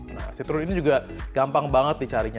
nah citrun ini juga gampang banget di carinya